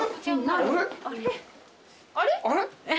あれ？